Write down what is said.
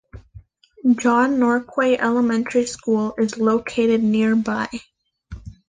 John Norquay Elementary School is located nearby.